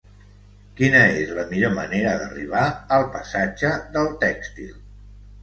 Quina és la millor manera d'arribar al passatge del Tèxtil?